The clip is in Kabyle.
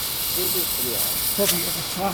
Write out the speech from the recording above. Mazal ur qliεeɣ.